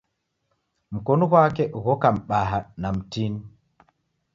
Mkonu ghwake ghoka mbaha na mtini.